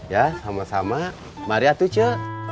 ya sama sama mari atuh ce